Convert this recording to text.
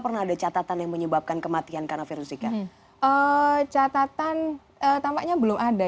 pernah ada catatan yang menyebabkan kematian karena virus zika catatan tampaknya belum ada